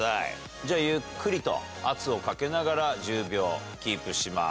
じゃあ、ゆっくりと圧をかけながら、１０秒キープします。